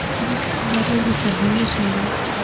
وروسته هر یو له صحنې وشاړه